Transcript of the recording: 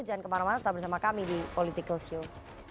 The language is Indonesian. jangan kemana mana tetap bersama kami di politikals yul